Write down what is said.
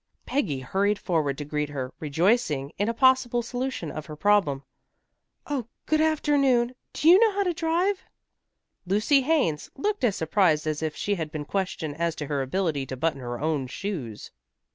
Peggy hurried forward to greet her, rejoicing in a possible solution of her problem. "Oh, good afternoon. Do you know how to drive?" Lucy Haines looked as surprised as if she had been questioned as to her ability to button her own shoes.